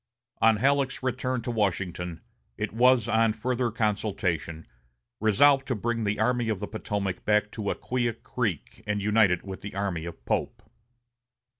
On Halleck's return to Washington, it was, on further consultation, resolved to bring the Army of the Potomac back to Acquia Creek and unite it with the army of Pope.